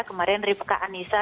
kemarin rebecca anissa